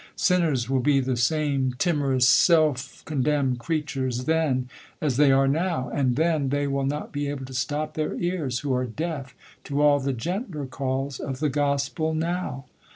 Sinners will bedae same timorous, seU condemned creatures then as diey are now. And then they will not be able to stop their ears, >who are deaf to all the gentler calls of t]i3 gospel now.